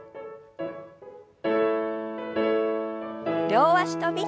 両脚跳び。